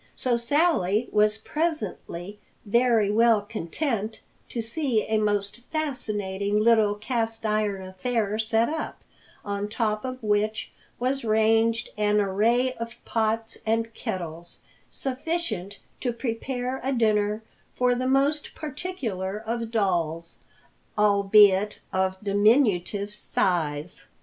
So Sally was presently very well content to see a most fascinating little cast iron affair set up, on top of which was ranged an array of pots and kettles sufficient to prepare a dinner for the most particular of dolls, albeit of diminutive size.